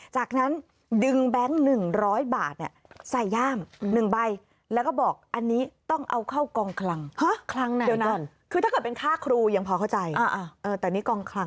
จากนั้นดึงแบงค์๑๐๐บาทใส่ย่าม๑ใบ